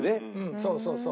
そうそうそう。